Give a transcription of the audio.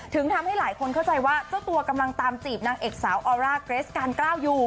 ทำให้หลายคนเข้าใจว่าเจ้าตัวกำลังตามจีบนางเอกสาวออร่าเกรสการกล้าอยู่